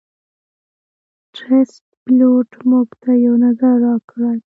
ټرسټ پیلوټ - موږ ته یو نظر راکړئ